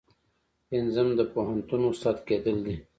پنځم د پوهنتون استاد کیدل دي.